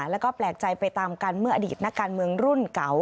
แล้วก็แปลกใจไปตามกันเมื่ออดีตนักการเมืองรุ่นเก่า